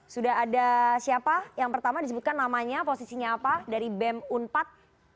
sudah ada siapa yang pertama disebutkan namanya posisinya apa dari bem unpad